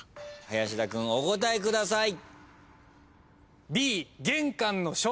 林田君お答えください。